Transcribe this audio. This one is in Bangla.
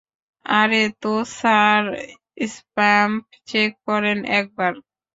আরে তো স্যার, স্পাম চেক করেন একবার।